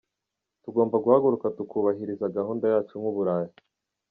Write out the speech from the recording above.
Tugomba guhaguruka tukubahiriza gahunda yacu nk’u Burayi.